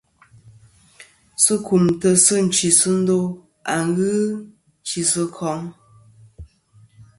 Sɨ kumtɨ sɨ nchisɨndo a ghɨ chɨ'sɨ kom.